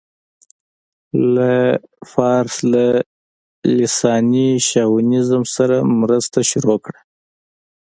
له فارس له لېساني شاونيزم سره مرسته شروع کړه.